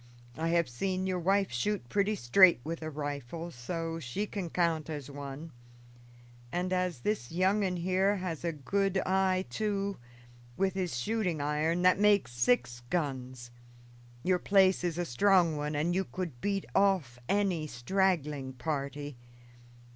I have seen your wife shoot pretty straight with a rifle, so she can count as one, and as this young un, here, has a good idea, too, with his shooting iron, that makes six guns. Your place is a strong one, and you could beat off any straggling party.